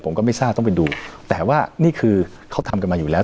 ผมก็ไม่ทราบต้องไปดูแต่ว่านี่คือเขาทำกันมาอยู่แล้ว